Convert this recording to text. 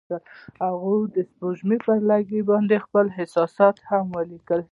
هغوی د سپوږمۍ پر لرګي باندې خپل احساسات هم لیکل.